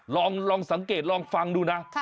ลองสังเกตลองฟังดูนะ